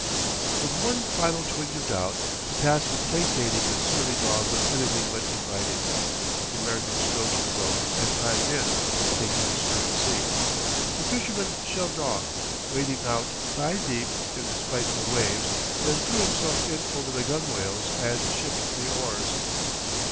With one final twinge of doubt the task of placating this surly dog was anything but inviting the American strode to the boat and climbed in, taking the stern seat. The fisherman shoved off, wading out thigh deep in the spiteful waves, then threw himself in over the gunwales and shipped the oars.